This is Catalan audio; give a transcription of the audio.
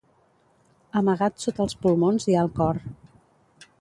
Amagat sota els pulmons hi ha el cor.